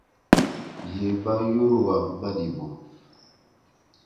Yè ba yoruan manibu.